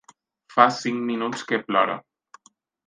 Fa cinc minuts que plora.